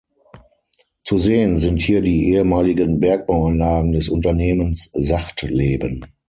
Zu sehen sind hier die ehemaligen Bergbauanlagen des Unternehmens "Sachtleben".